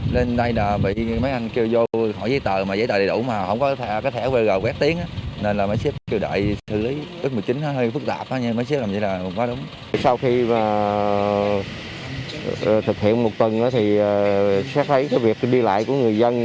sau khi thực hiện một tuần xét thấy việc đi lại của người dân